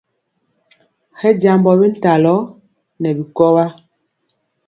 Hɛ jambɔ bintalɔ nɛ bikɔwa.